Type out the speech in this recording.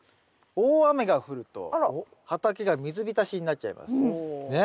大雨が降ると畑が水浸しになっちゃいます。ね？